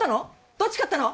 どっち勝ったの？